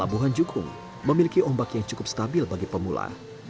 pelabuhan jukung memiliki ombak yang cukup stabil bagi pemula